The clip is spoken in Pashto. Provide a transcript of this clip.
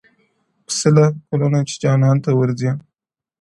پسله كلونه چي جانان تـه ورځـي،